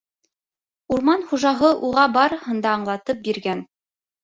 Урман хужаһы уға барыһын да аңлатып биргән.